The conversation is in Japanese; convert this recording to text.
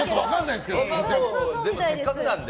でもせっかくなので。